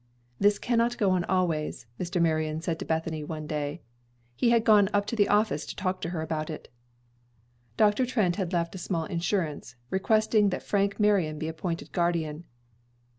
"This can not go on always," Mr. Marion said to Bethany one day. He had gone up to the office to talk to her about it. Dr. Trent had left a small insurance, requesting that Frank Marion be appointed guardian.